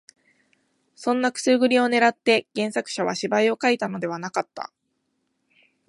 そんなくすぐりを狙って原作者は芝居を書いたのではなかった